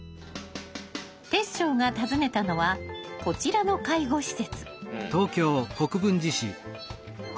煌翔が訪ねたのはこちらの介護施設。